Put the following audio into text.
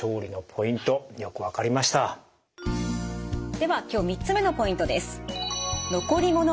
では今日３つ目のポイントです。